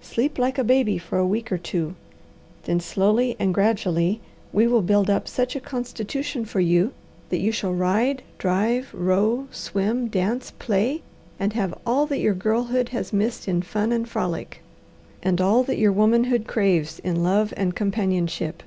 Sleep like a baby for a week or two. Then, slowly and gradually, we will build up such a constitution for you that you shall ride, drive, row, swim, dance, play, and have all that your girlhood has missed in fun and frolic, and all that your womanhood craves in love and companionship.